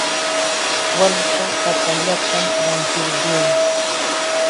Walka papallatam rantirquu.